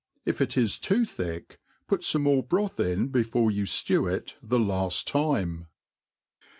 If it is too thick, put fome more broth in before yon ftew it the laft time.